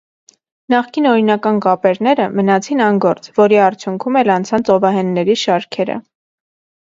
Նախկին օրինական կապերները մնացին անգործ, որի արդյունքում էլ անցան ծովահենների շարքերը։